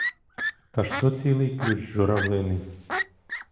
Та ж то цілий ключ журавлиний.